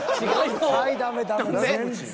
はいダメダメ全然。